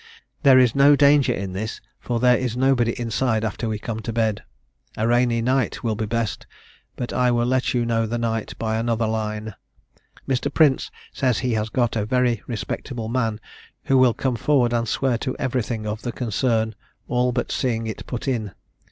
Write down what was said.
There is no danger in this, for there is nobody inside after we come to bed. A rainy night will be best; but I will let you know the night by another line. Mr. Prince says he has got a very respectable man, who will come forward and swear to everything of the concern, all but seeing it put in.